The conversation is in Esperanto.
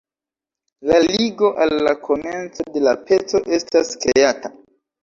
La ligo al la komenco de la peco estas kreata.